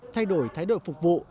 thay đổi thái độ phục vụ